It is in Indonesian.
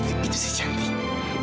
itu si cantik